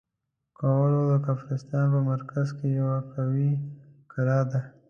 کولوم د کافرستان په مرکز کې یوه قوي کلا ده.